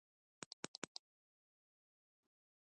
نجلۍ کوکه کړه.